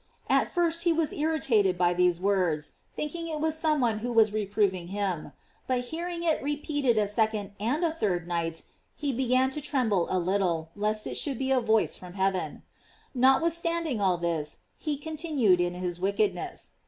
"* At first he was irritated by these words, thinking it was some one who was reproving him; but hearing it repeated a second arid a third night, he began to tremble a little, lest it should be a voice from heaven. Notwith standing all this, he continued in his wicked ness.